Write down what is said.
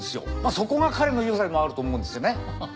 そこが彼のよさでもあると思うんですよね。